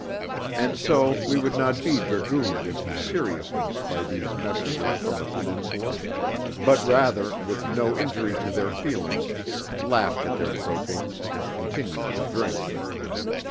And so we would not be dragooned into seriousness by these messengers from the Peninsula; but rather, with no injury to their feelings, laughed at their croakings and continued to drink.